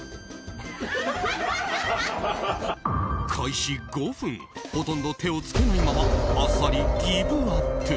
開始５分ほとんど手を付けないままあっさりギブアップ。